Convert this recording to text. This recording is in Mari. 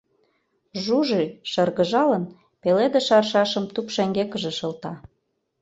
Жужи, шыргыжалын, пеледыш аршашым туп шеҥгекыже шылта.